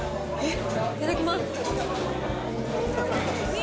いただきます。